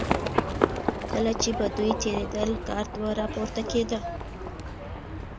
کله چې به دوی تېرېدل ګرد به راپورته کېده.